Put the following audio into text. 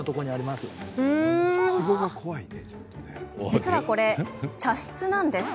実はこれ、茶室です。